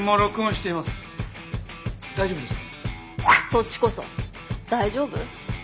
そっちこそ大丈夫？